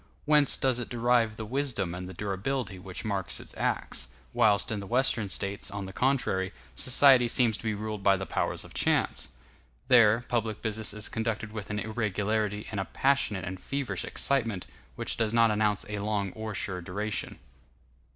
Whence does it derive the wisdom and the durability which mark its acts, whilst in the Western States, on the contrary, society seems to be ruled by the powers of chance? There, public business is conducted with an irregularity and a passionate and feverish excitement, which does not announce a long or sure duration.